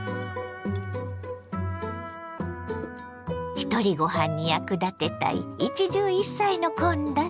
ひとりごはんに役立てたい一汁一菜の献立。